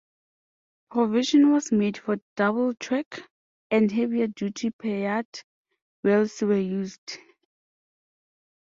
Provision was made for double track, and heavier duty per yard rails were used.